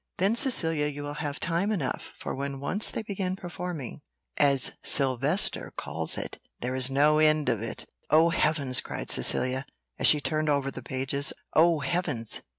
"Then, Cecilia, you will have time enough, for when once they begin performing, as Sylvester calls it, there is no end of it." "Oh Heavens!" cried Cecilia, as she turned over the pages, "Oh Heavens!